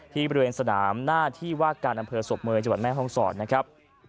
ที่บริเวณสนามหน้าที่ว่าการอำเภอศพเมย์จังหวัดแม่ห้องศรนะครับ